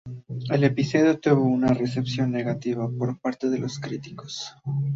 El episodio tuvo una recepción negativa por parte de los críticos.